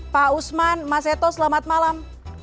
pak usman mas seto selamat malam